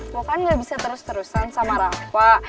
pokoknya gak bisa terus terusan sama rafa